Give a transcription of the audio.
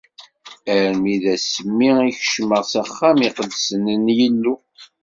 Armi d Ass mi i kecmeɣ s axxam iqedsen n Yillu.